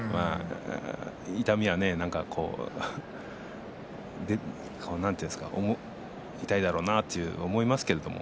痛みはね痛いだろうなと思いますけどね